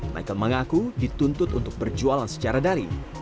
michael mengaku dituntut untuk berjualan secara dari